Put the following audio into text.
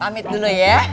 amit dulu ya